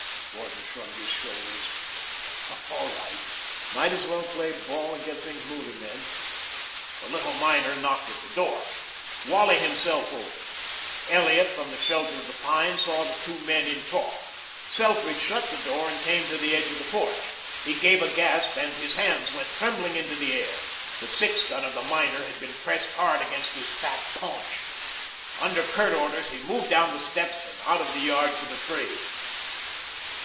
Gordon shrugged his shoulders. "All right. Might as well play ball and get things moving, then." The little miner knocked at the door. Wally himself opened. Elliot, from the shelter of the pine, saw the two men in talk. Selfridge shut the door and came to the edge of the porch. He gave a gasp and his hands went trembling into the air. The six gun of the miner had been pressed hard against his fat paunch. Under curt orders he moved down the steps and out of the yard to the tree.